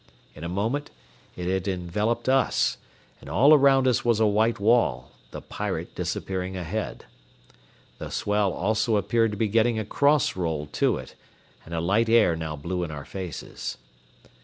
In a moment it had enveloped us, and all around us was a white wall, the Pirate disappearing ahead. The swell also appeared to be getting a cross roll to it, and a light air now blew in our faces.